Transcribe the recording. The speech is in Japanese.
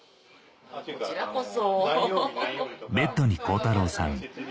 こちらこそ。